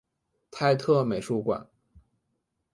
泰特美术馆。